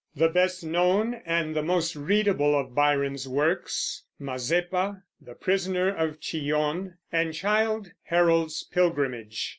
The best known and the most readable of Byron's works Mazeppa, The Prisoner of Chillon, and Childe Harold's Pilgrimage.